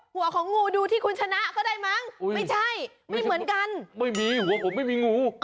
หัวของงูดูที่คุณชนะก็ได้มั้งไม่ใช่ไม่เหมือนกันไม่มีหัวผมไม่มีงู